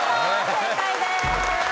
正解です。